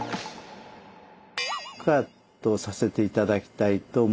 「不可」とさせて頂きたいと思います。